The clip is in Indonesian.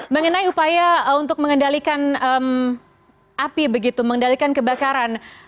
mengenai upaya untuk mengendalikan api begitu mengendalikan kebakaran